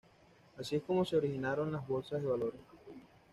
Así es como se originaron las bolsas de valores.